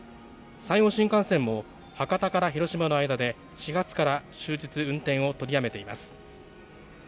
山陽新幹線も、博多から広島の間で始発から終日運転を取りやめています。